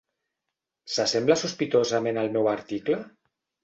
> s'assembla sospitosament al meu article?